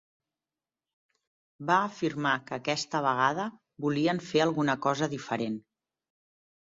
Va afirmar que aquesta vegada volien fer alguna cosa diferent.